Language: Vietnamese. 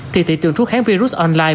thì thị trường thuốc kháng virus online